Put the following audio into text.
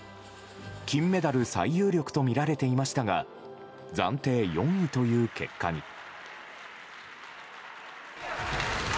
金メダル最有力とみられていましたが暫定４位という結果に。